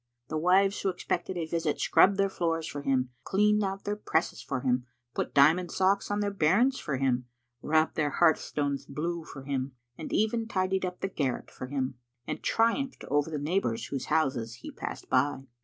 The wives who expected a visit scrubbed their floors for him, cleaned out their presses for him, put diamond socks on their bairns for liim, rubbed their hearthstones blue for him, and even tidied up the garret for him, and triumphed over the neighbours whose houses he passed by.